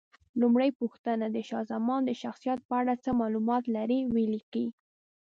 لومړۍ پوښتنه: د شاه زمان د شخصیت په اړه څه معلومات لرئ؟ ویې لیکئ.